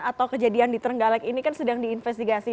atau kejadian di terenggalek ini kan sedang diinvestigasi